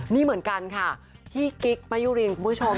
นี่เหมือนกันค่ะพี่กิ๊กมะยุรินคุณผู้ชม